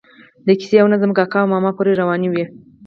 د کیسې او نظم کاکا او ماما پورې روانې وي.